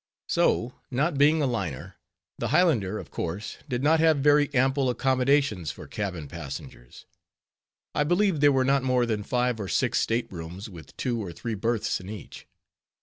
So, not being a liner, the Highlander of course did not have very ample accommodations for cabin passengers. I believe there were not more than five or six state rooms, with two or three berths in each.